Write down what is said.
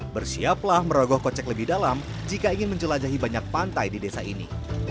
bersiaplah merogoh kocek lebih dalam jika ingin menjelajahi banyak pantai di desa ini